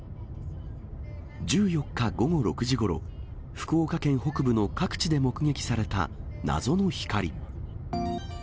１４日午後６時ごろ、福岡県北部の各地で目撃された謎の光。